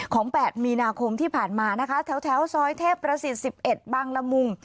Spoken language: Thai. ของแปดมีนาคมที่ผ่านมานะคะแถวแถวซอยเทพประสิทธิ์สิบเอ็ดบังละมุง